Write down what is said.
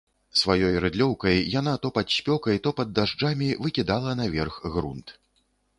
Сваёй рыдлёўкай яна то пад спёкай, то пад дажджамі выкідала наверх грунт.